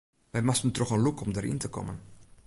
Wy moasten troch in lûk om deryn te kommen.